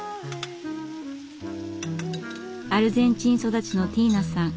アルゼンチン育ちのティーナさん。